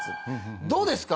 どうですか？